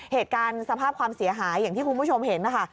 สภาพความเสียหายอย่างที่คุณผู้ชมเห็นนะคะ